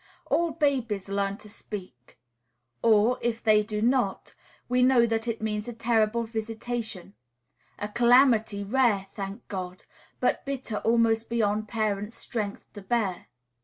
All babies learn to speak; or, if they do not, we know that it means a terrible visitation, a calamity rare, thank God! but bitter almost beyond parents' strength to bear.